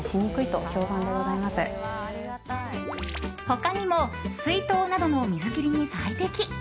他にも水筒などの水切りに最適。